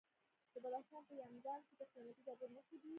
د بدخشان په یمګان کې د قیمتي ډبرو نښې دي.